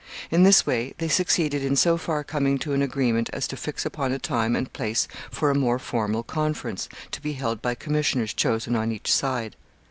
In this way they succeeded in so far coming to an agreement as to fix upon a time and place for a more formal conference, to be held by commissioners chosen on each side.